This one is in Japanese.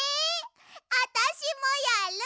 あたしもやる！